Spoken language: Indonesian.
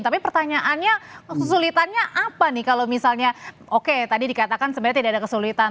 tapi pertanyaannya kesulitannya apa nih kalau misalnya oke tadi dikatakan sebenarnya tidak ada kesulitan